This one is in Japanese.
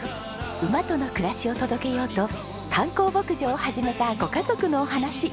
馬との暮らしを届けようと観光牧場を始めたご家族のお話。